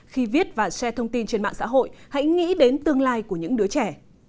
khi viết và share thông tin trên mạng xã hội hãy nghĩ đến tương lai của những đứa trẻ